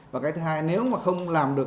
và cái thứ hai nếu mà không làm được